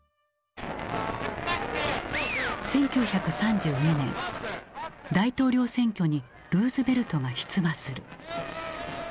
１９３２年大統領選挙にルーズベルトが出馬する。